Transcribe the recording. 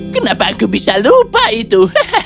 kenapa aku bisa lupa itu